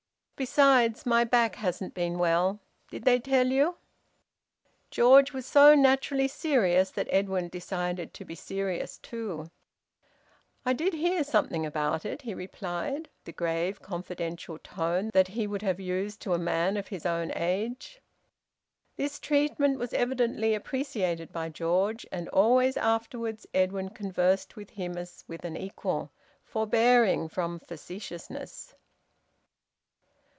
Besides, my back hasn't been well. Did they tell you?" George was so naturally serious that Edwin decided to be serious too. "I did hear something about it," he replied, with the grave confidential tone that he would have used to a man of his own age. This treatment was evidently appreciated by George, and always afterwards Edwin conversed with him as with an equal, forbearing from facetiousness.